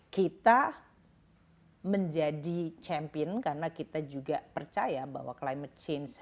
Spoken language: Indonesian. kita menjadi champion karena kita juga percaya bahwa climate change